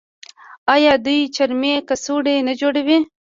آیا دوی چرمي کڅوړې نه جوړوي؟